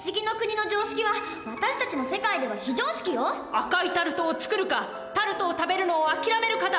赤いタルトを作るかタルトを食べるのを諦めるかだ。